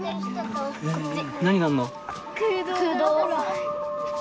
何があんの？